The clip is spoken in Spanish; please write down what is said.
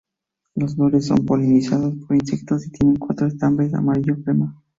Las flores son polinizadas por insectos y tienen cuatro estambres amarillo crema.